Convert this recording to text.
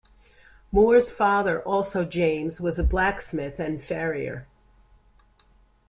Moore's father, also James, was a blacksmith and farrier.